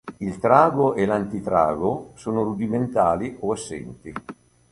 Il trago e l'antitrago sono rudimentali o assenti.